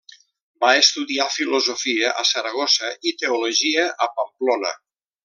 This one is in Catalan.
Va estudiar filosofia a Saragossa i teologia a Pamplona.